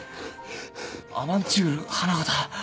アバンチュール花形」